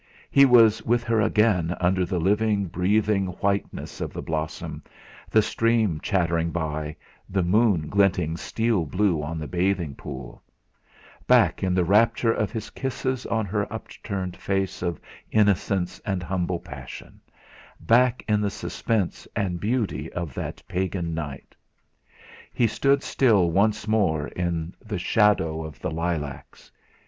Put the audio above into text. He was with her again under the living, breathing white ness of the blossom, the stream chattering by, the moon glinting steel blue on the bathing pool; back in the rapture of his kisses on her upturned face of innocence and humble passion, back in the suspense and beauty of that pagan night. He stood still once more in the shadow of the lilacs.